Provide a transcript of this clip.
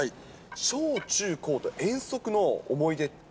小中高と遠足の思い出って。